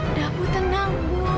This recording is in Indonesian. udah bu tenang bu